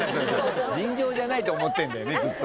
尋常じゃないと思ってるずっと。